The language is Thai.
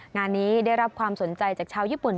งานนี้ได้รับความสนใจจากชาวญี่ปุ่น